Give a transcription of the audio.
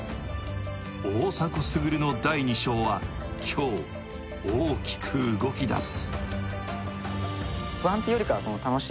大迫傑の第２章は、今日、大きく動きだす。